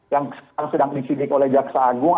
yang sekarang sedang disidik oleh jaksa agung